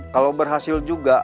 kalau berhasil juga